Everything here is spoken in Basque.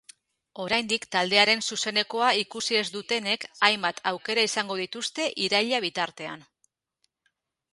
Oraindik taldearen zuzenekoa ikusi ez dutenek, hainbat aukera izango dituzte iraila bitartean.